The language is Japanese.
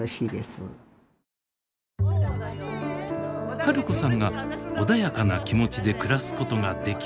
治子さんが穏やかな気持ちで暮らすことができる訳。